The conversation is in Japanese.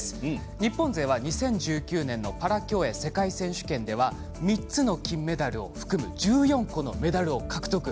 日本勢は２０１９年のパラ競泳世界選手権では３つの金メダルを含む１４個のメダルを獲得。